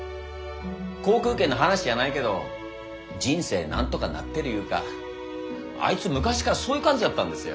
航空券の話やないけど人生なんとかなってるいうかあいつ昔からそういう感じやったんですよ。